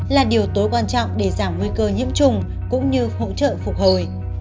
là điều tối quan trọng để giảm nguy cơ nhiễm trùng cũng như hỗ trợ phục hồi